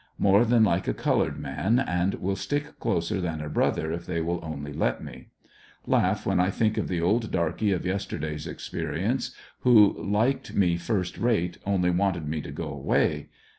More than like a colored man, and will stick closer than a brother if they will only let me. Laugh when 1 think of the old darky of yesterday's experience, who liked me first rate only wanted me to go away.